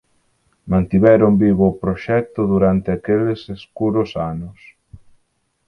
Mantiveron vivo o proxecto durante aqueles escuros anos